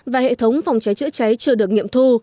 và hệ thống phòng cháy chữa cháy chưa được nghiệm thu